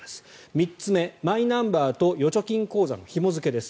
３つ目、マイナンバーと預貯金口座のひも付けです。